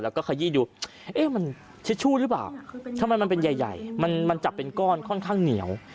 แล้วก็ขยี้ดูเอ๊ะมันทิชชู่หรือเปล่าทำไมมันเป็นใหญ่มันจับเป็นก้อนค่อนข้างเหนียว